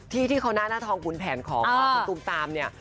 ที่ที่เขาหน้าหน้าทองคุณแผนของคุณตูมตามเนี่ย